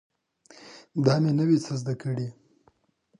دا مې نوي څه زده کړي